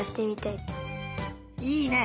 いいね！